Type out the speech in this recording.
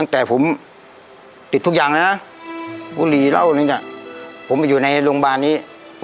แต่ผมติดทุกอย่างนะบุรีเล่าผมอยู่ในโรงพยาบาลนี้